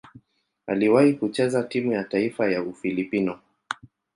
Aliwahi kucheza timu ya taifa ya Ufilipino.